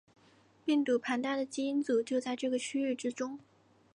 病毒庞大的基因组就在这个区域之中。